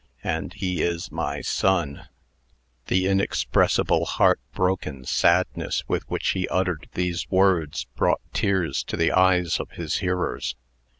"And he is my son." The inexpressible heart broken sadness, with which he uttered these words, brought tears to the eyes of his hearers.